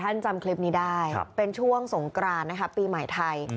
จำคลิปนี้ได้เป็นช่วงสงกรานนะคะปีใหม่ไทย